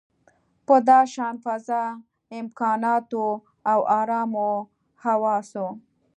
په داشان فضا، امکاناتو او ارامو حواسو.